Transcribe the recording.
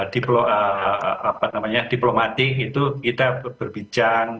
diploma apa namanya diplomatik itu kita berbicara